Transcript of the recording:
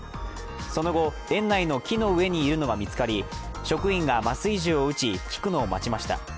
その後、園内の木の上にいるのが見つかり、職員が麻酔銃を撃ち、効くのを待ちました。